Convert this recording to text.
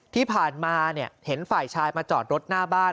ที่ผ่านมาเห็นฝ่ายชายมาจอดรถหน้าบ้าน